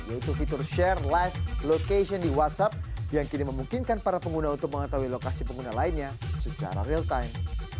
yaitu fitur share live location di whatsapp yang kini memungkinkan para pengguna untuk mengetahui lokasi pengguna lainnya secara real time